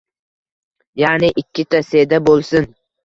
ya’ni ikkita Seda bo‘lsin.